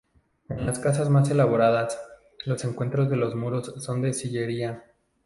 En las casas más elaboradas, los encuentros de los muros son de sillería.